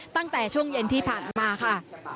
ตั้งแต่ช่วงเย็นที่ผ่านมาค่ะ